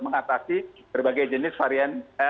mengatasi berbagai jenis varian